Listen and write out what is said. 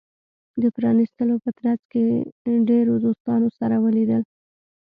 د پرانېستلو په ترڅ کې ډیرو دوستانو سره ولیدل.